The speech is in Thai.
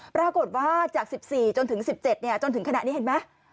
ปรากฏว่าจาก๑๔จนถึง๑๗จนถึงขณะนี้เห็นไหม